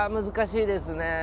難しいですね